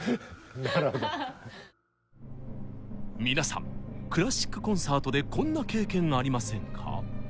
皆さんクラシックコンサートでこんな経験ありませんか？